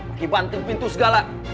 bagi bantuin pintu segala